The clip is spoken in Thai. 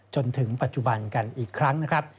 จนถึงปัจจุบันกันอีกครั้งนะครับ